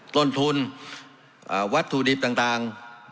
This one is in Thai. ต้นทุนวัตถุดิบต่าง